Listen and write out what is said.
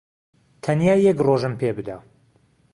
تەنیا یەک ڕۆژم پێ بدە.